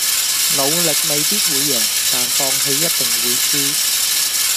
努力未必會贏但放棄一定會輸